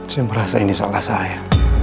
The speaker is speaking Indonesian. saya merasa ini salah saya